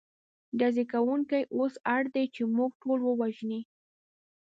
ډزې کوونکي اوس اړ دي، چې موږ ټول ووژني.